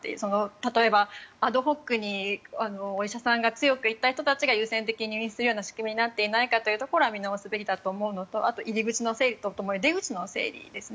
例えば、アドホックにお医者さんが強く言った人たちが入院するような状況になっていないかなど見直すべきだと思うのとあとは入り口の整備とともに出口の整理ですね。